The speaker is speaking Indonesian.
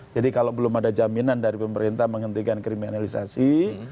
jadi kalau belum ada jaminan dari pemerintah menghentikan kriminalisasi